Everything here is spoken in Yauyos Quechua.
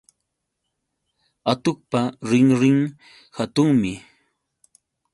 Atuqpa rinrin hatunmi